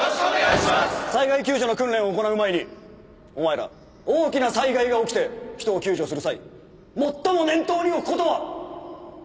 災害救助の訓練を行う前にお前ら大きな災害が起きて人を救助する際最も念頭に置くことは？